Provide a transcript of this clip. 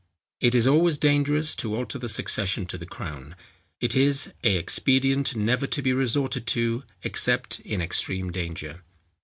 It is always dangerous to alter the succession to the crown; it is a expedient never to be resorted to except in extreme danger.